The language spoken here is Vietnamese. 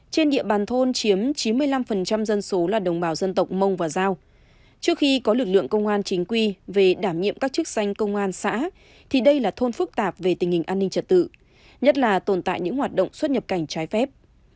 trên địa bàn thôn chiếm chín mươi năm dân số là đồng bào dân tộc mông và giao trước khi có lực lượng công an chính quy về đảm nhiệm các chức danh công an xã thì đây là thôn phức tạp về tình hình an ninh trật tự nhất là tồn tại những hoạt động xuất nhập cảnh trái phép